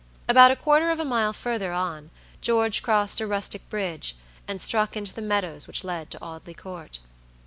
About a quarter of a mile further on George crossed a rustic bridge, and struck into the meadows which led to Audley Court.